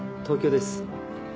東京です。